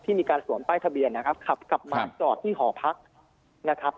มีการสวมป้ายทะเบียนนะครับขับกลับมาจอดที่หอพักนะครับ